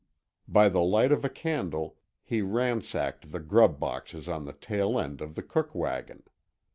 By the light of a candle he ransacked the grub boxes on the tail end of the cook wagon.